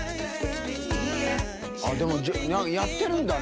やってるんだね。